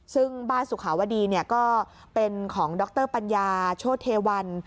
ซึ่งบ้านสุขาวดีก็เป็นของดรปัญญาโชธเทวัน